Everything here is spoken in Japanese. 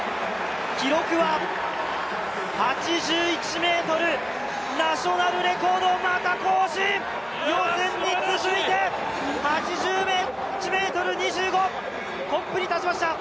記録は８１ｍ、ナショナルレコードをまた更新、予選に続いて８１ｍ２５、トップに立ちました！